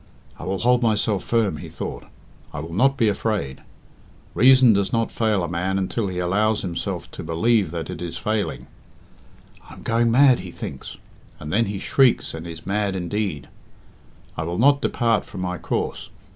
"I will hold myself firm," he thought; "I will not be afraid. Reason does not fail a man until he allows himself to believe that it is failing. 'I am going mad,' he thinks; and then he shrieks and is mad indeed. I will not depart from my course.